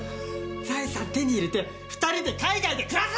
財産手に入れて２人で海外で暮らすんだろう！